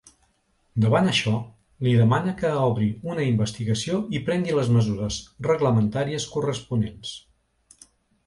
Davant això, li demana que obri una investigació i prengui les mesures reglamentàries corresponents.